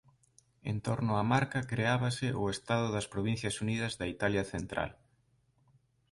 En torno á Marca creábase o «Estado das Provincias Unidas» da Italia central.